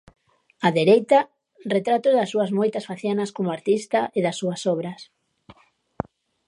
Á dereita, retratos das súas moitas facianas como artista e das súas obras.